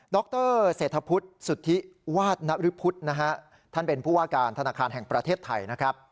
ดรเศรษฐพุทธสุธิวาสนริพุทธท่านเป็นผู้ว่าการธนาคารแห่งประเทศไทย